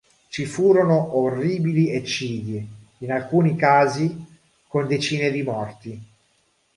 Ci furono orribili eccidi, in alcuni casi con decine di morti.